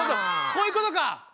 こういうことか。